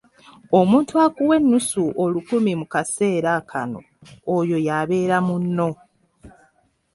Omuntu akuwa ennusu olukumi mu kaseera kano oyo y’abeera munno.